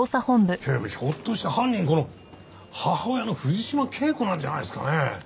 警部ひょっとして犯人この母親の藤島圭子なんじゃないですかね？